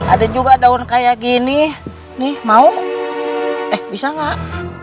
ada juga daun kayak gini nih mau eh bisa gak